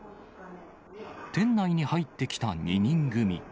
店内に入ってきた２人組。